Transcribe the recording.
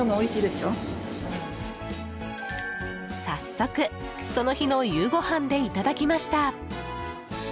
早速、その日の夕ごはんでいただきました。